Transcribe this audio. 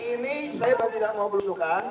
hari ini saya tidak mau berusukan